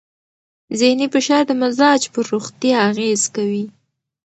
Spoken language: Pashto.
ذهنې فشار د مزاج پر روغتیا اغېز کوي.